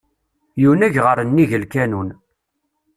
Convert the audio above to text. Yunag ɣer nnig lkanun.